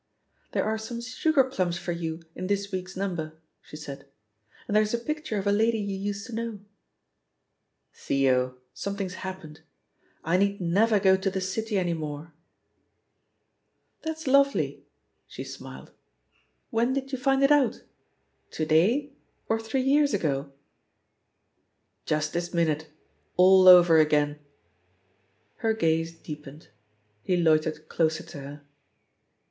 '"There are some sugar plums for you in this week's number/' she said; "'and there'3 fL pic ture of a lady you used to know/* "Theo, something's happened — ^I need never go to the City any morel" "That's lovely I" she smiled. When did you find it out — ^to day^ or three years ago?" "Just this minute — all over again I" (Her gaze deepened. He loitered closer to her.